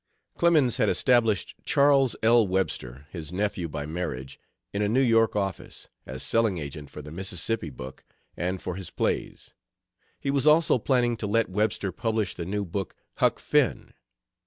Clemens had established Charles L. Webster, his nephew by marriage, in a New York office, as selling agent for the Mississippi book and for his plays. He was also planning to let Webster publish the new book, Huck Finn.